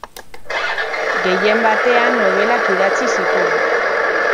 Gehien batean nobelak idatzi zituen.